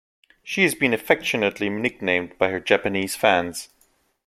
She has been affectionately nicknamed by her Japanese fans.